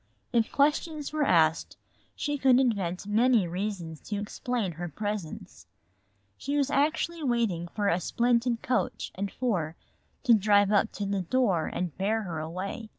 If questions were asked she could invent many reasons to explain her presence. She was actually waiting for a splendid coach and four to drive up to the door and bear her away.